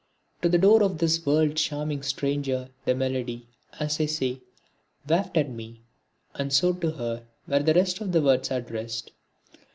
To the door of this world charming stranger the melody, as I say, wafted me, and so to her were the rest of the words addressed.